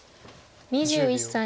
２１歳。